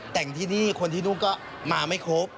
แต่งที่นี่คนที่นู่นก็มาไม่ครบ